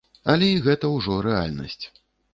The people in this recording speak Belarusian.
Але і гэта ўжо рэальнасць.